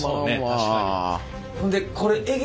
確かに。